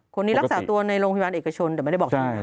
คนนี้รักษาตัวในโรงพิวารเอกชนเดี๋ยวไม่ได้บอกชีวิต